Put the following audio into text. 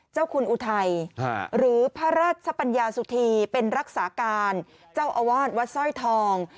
เจ้าคุณอุทัยหรือพระราชปัญญาสุธีเป็นรักษาการเจ้าอาวาสวัดสร้อยทอง